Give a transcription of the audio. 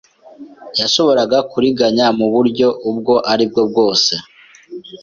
yashoboraga kuriganya mu buryo ubwo ari bwo bwose.